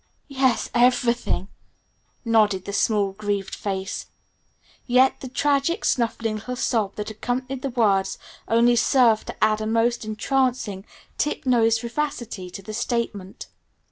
"Yes, everything," nodded the small grieved face. Yet the tragic, snuffling little sob that accompanied the words only served to add a most entrancing, tip nosed vivacity to the statement.